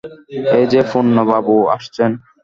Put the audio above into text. এই-যে পূর্ণবাবু আসছেন।